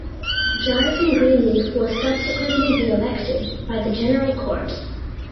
Jonathan Greenleaf was subsequently be elected by the General Court.